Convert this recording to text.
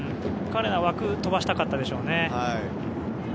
彼なら枠に飛ばしたかったでしょうね。